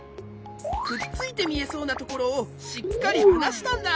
くっついてみえそうなところをしっかりはなしたんだ。